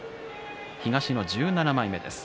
東の１７枚目です。